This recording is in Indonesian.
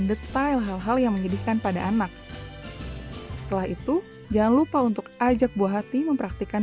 detail hal hal yang menyedihkan pada anak setelah itu jangan lupa untuk ajak buah hati mempraktikan